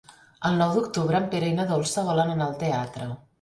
El nou d'octubre en Pere i na Dolça volen anar al teatre.